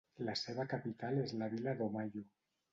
La seva capital és la Vila do Maio.